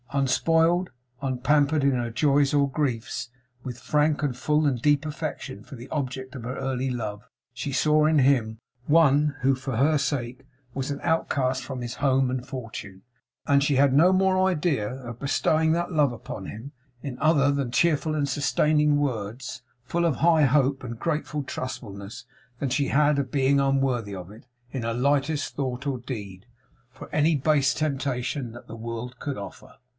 Unspoiled, unpampered in her joys or griefs; with frank and full, and deep affection for the object of her early love; she saw in him one who for her sake was an outcast from his home and fortune, and she had no more idea of bestowing that love upon him in other than cheerful and sustaining words, full of high hope and grateful trustfulness, than she had of being unworthy of it, in her lightest thought or deed, for any base temptation that the world could offer.